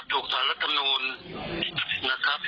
ถูกสารรัฐนวณนะครับ